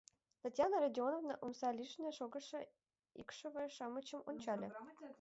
— Татьяна Родионовна омса лишне шогышо икшыве-шамычым ончале.